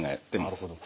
なるほど。